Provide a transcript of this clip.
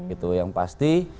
itu yang pasti